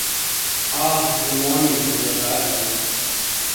Ah ! Je m’ennuie, il n’y a pas à dire !